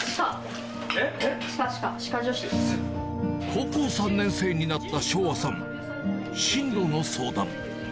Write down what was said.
高校３年生になった唱和さん進路の相談